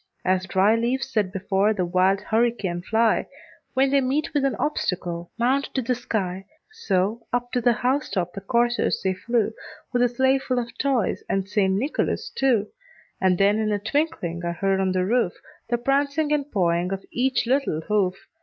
As dry leaves that before the wild hurricane fly, When they meet with an obstacle, mount to the sky, So, up to the house top the coursers they flew, With a sleigh full of toys and St. Nicholas too. And then in a twinkling I heard on the roof, The prancing and pawing of each little hoof.